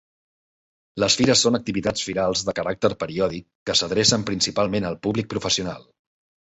Les fires són activitats firals de caràcter periòdic que s'adrecen principalment al públic professional.